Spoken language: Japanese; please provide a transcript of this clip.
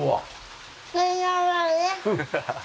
ハハハハ。